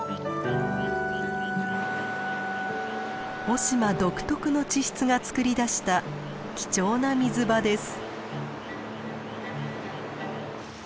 雄島独特の地質がつくり出した貴重な水場です。